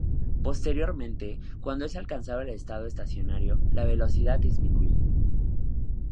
Posteriormente, cuando es alcanzado el estado estacionario, la velocidad disminuye.